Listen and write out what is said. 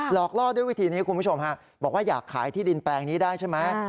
อกล่อด้วยวิธีนี้คุณผู้ชมฮะบอกว่าอยากขายที่ดินแปลงนี้ได้ใช่ไหม